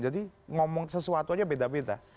jadi ngomong sesuatu aja beda beda